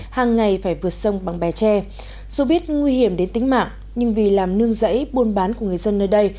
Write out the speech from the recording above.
hàng ngày phải vượt sông bằng bè tre dù biết nguy hiểm đến tính mạng nhưng vì làm nương rẫy buôn bán của người dân nơi đây